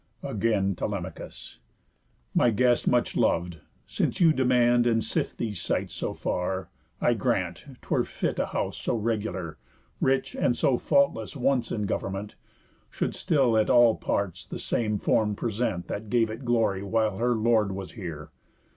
Again Telemachus: "My guest much lov'd. Since you demand and sift these sights so far, I grant 'twere fit a house so regular, Rich, and so faultless once in government, Should still at all parts the same form present That gave it glory while her lord was here.